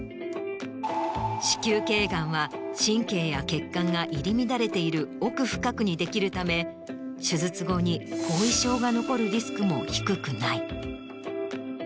子宮頸がんは神経や血管が入り乱れている奥深くにできるため手術後に後遺症が残るリスクも低くない。